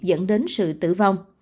dẫn đến sự tử vong